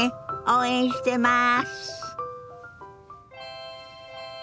応援してます。